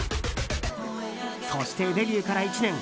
そしてデビューから１年。